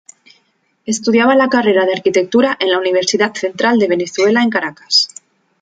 Estudiaba la carrera de Arquitectura en la Universidad Central de Venezuela en Caracas.